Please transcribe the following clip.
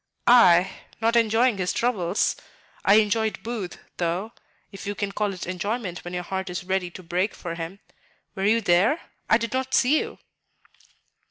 "I? Not enjoying his troubles; I enjoyed Booth, though, if you can call it enjoyment when your heart is ready to break for him. Were you there? I did not see you."